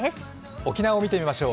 沖縄を見てみましょう。